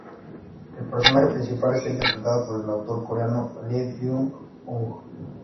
El personaje principal está interpretado por el actor coreano Lee Byung-Hun.